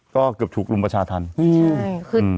ก็เกือบถูกรุมประชาธรรม